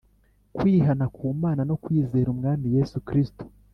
kwihana ku Mana no kwizera Umwami Yesu kristo.